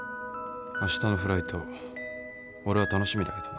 明日のフライト俺は楽しみだけどな。